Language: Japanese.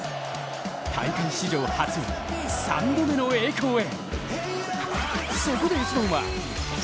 大会史上初３度目の栄光へ。